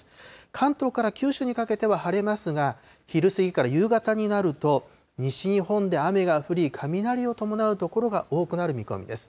関東から九州にかけては晴れますが、昼過ぎから夕方になると、西日本で雨が降り、雷を伴う所が多くなる見込みです。